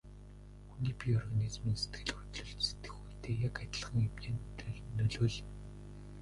Хүний бие организм нь сэтгэл хөдлөлд сэтгэхүйтэй яг адилхан хэмжээнд нөлөөлнө.